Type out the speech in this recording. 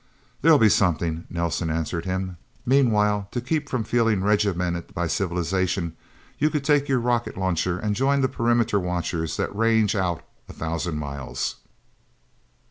"There'll be something," Nelsen answered him. "Meanwhile, to keep from feeling regimented by civilization, you could take your rocket launcher and join the perimeter watchers that range out a thousand miles..."